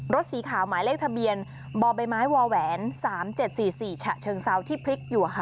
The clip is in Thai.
รถสีขาวหมายเลขทะเบียนบอลใบไม้วาแหวนสามเจ็ดสี่สี่ฉะเชิงเซาที่พริกอยู่อ่ะค่ะ